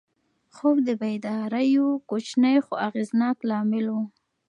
موبایل د بیدارۍ یو کوچنی خو اغېزناک لامل و.